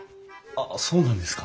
ああそうなんですか。